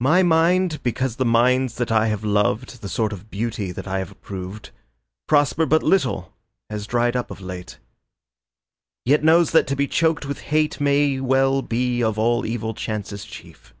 My mind, because the minds that I have loved, The sort of beauty that I have approved, Prosper but little, has dried up of late, Yet knows that to be choked with hate May well be of all evil chances chief.